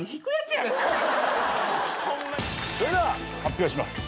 それでは発表します。